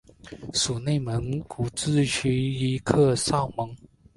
属内蒙古自治区伊克昭盟。